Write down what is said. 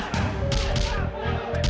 udah jangan lagi